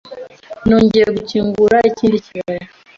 Nongeye gukingura ikindi kibaya